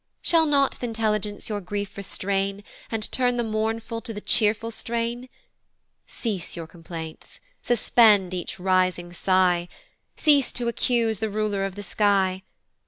Shall not th' intelligence your grief restrain, And turn the mournful to the cheerful strain? Cease your complaints, suspend each rising sigh, Cease to accuse the Ruler of the sky.